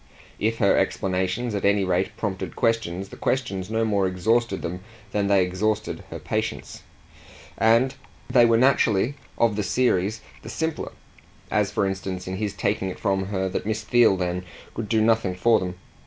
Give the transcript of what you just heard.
If her explanations at any rate prompted questions the questions no more exhausted them than they exhausted her patience. And they were naturally, of the series, the simpler; as for instance in his taking it from her that Miss Theale then could do nothing for them.